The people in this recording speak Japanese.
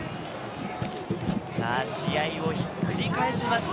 試合をひっくり返しました。